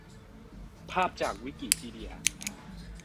ภาพจากวิกิพีเดีย